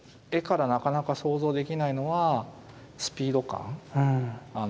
絵からなかなか想像できないのはスピード感。